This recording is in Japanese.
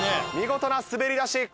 見事な滑りだし！